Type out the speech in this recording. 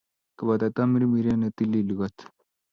Koboto Tamirmiriet ne tilil kot